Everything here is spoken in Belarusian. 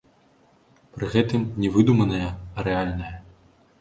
Пры гэтым, не выдуманыя, а рэальныя.